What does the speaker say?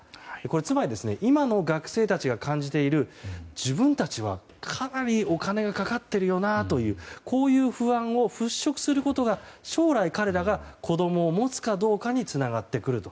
つまり、今の学生たちが感じている、自分たちはかなりお金がかかっているよなというこういう不安を払拭することが将来、彼らが子供を持つかどうかにつながってくると。